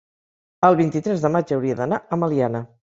El vint-i-tres de maig hauria d'anar a Meliana.